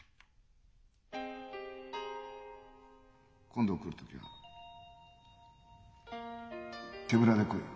今度来る時は手ぶらで来いよ。